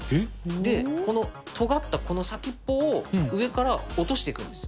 で、このとがったこの先っぽを上から落としていくんです。